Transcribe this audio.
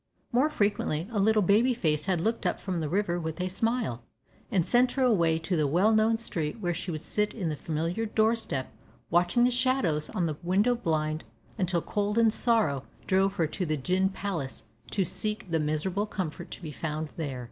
More frequently a little baby face had looked up from the river with a smile, and sent her away to the well known street where she would sit in the familiar door step watching the shadows on the window blind until cold and sorrow drove her to the gin palace to seek for the miserable comfort to be found there.